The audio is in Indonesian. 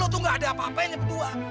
lo tuh gak ada apa apa hanya berdua